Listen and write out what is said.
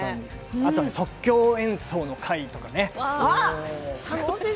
あと即興演奏の回とかね。